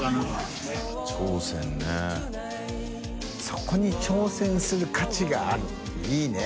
そこに挑戦する価値がある」っていいね。